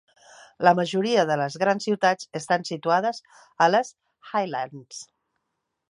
La majoria de les grans ciutats estan situades a les Highlands.